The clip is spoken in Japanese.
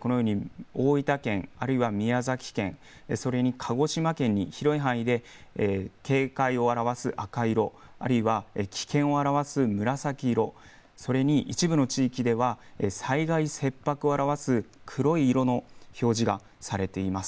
このように大分県、あるいは宮崎県それに鹿児島県の広い範囲で警戒を表す赤い色あるいは危険を表す紫色それに一部の地域では災害切迫を表す黒い色の表示がされています。